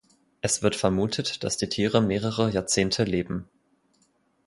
Es wird vermutet, dass die Tiere mehrere Jahrzehnte leben.